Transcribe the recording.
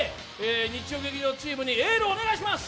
日曜劇場チームにお願いします。